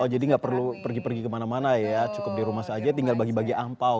oh jadi gak perlu pergi pergi kemana mana ya cukup di rumah saja tinggal bagi bagi ampau